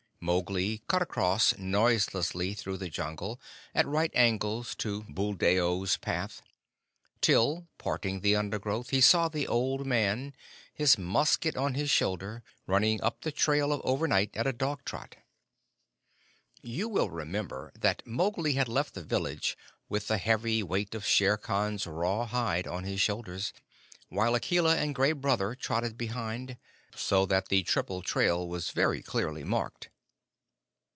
Mowgli cut across noiselessly through the Jungle, at right angles to Buldeo's path, till, parting the undergrowth, he saw the old man, his musket on his shoulder, running up the trail of overnight at a dog trot. You will remember that Mowgli had left the village with the heavy weight of Shere Khan's raw hide on his shoulders, while Akela and Gray Brother trotted behind, so that the triple trail was very clearly marked.